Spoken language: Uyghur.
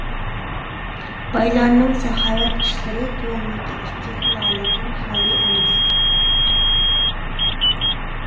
بايلارنىڭ ساخاۋەت ئىشلىرى تۆۋەندىكى ئىككى خىل ھالەتتىن خالىي ئەمەس: